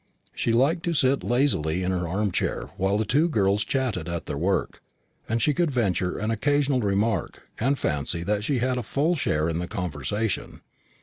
She liked to sit lazily in her arm chair while the two girls chattered at their work, and she could venture an occasional remark, and fancy that she had a full share in the conversation.